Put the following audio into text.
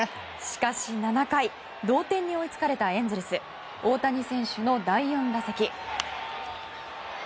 しかし７回同点に追いつかれたエンゼルス大谷選手の第４打席。